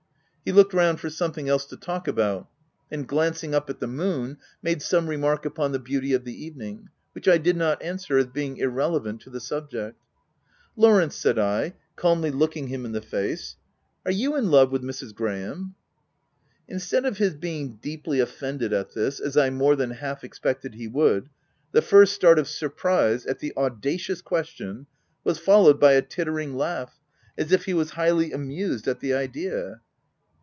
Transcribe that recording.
He looked round for something else to talk about ; and glancing up at the moon, made some remark upon the beauty of the evening, which I did not answer, as being irre levant to the subject. u Lawrence," said I, calmly looking him in the face, " are you in love with Mrs. Graham ?" Instead of his being deeply offended at this, as I more than half expected he, would, the first start of surprise, at the audacious ques tion, was followed by a tittering laugh, as if he was highly amused at the idea.